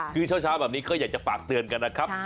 คือเช้าแบบนี้ก็อยากจะฝากเตือนกันนะครับ